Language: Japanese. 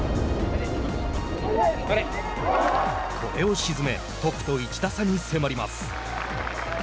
これを沈めトップと１打差に迫ります。